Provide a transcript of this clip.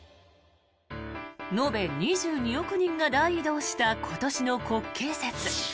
延べ２２億人が大移動した今年の国慶節。